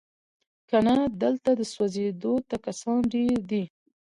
کنه دلته سوځېدو ته کسان ډیر دي